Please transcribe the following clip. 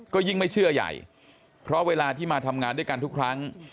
ก็ยิ่งไม่เชื่อใหญ่เพราะเวลาที่มาทำงานด้วยกันทุกครั้ง